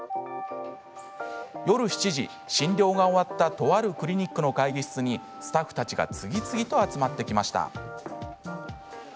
夜７時、診療が終わったとあるクリニックの会議室にスタッフたちが次々と集まってきました。